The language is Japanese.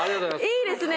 いいですね。